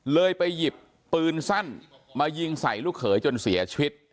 เลยไปหยิบปืนสั้นมายิงใส่ลูกเขยจนเสียชีวิต